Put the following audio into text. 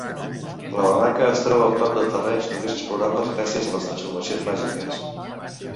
La barraca es troba a prop de terrenys només explorables gràcies a les transformacions màgiques.